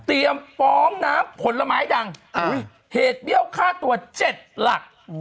เตรียมปลอมน้ำผลไม้ดังเหตุเบี้ยวค่าตัว๗หลัก